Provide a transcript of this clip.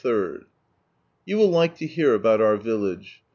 — You will like to hear about our village.